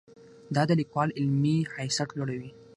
دا د لیکوال علمي حیثیت لوړوي.